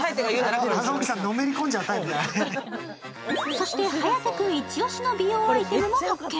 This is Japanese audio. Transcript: そして、颯くん一押しの美容アイテムも発見。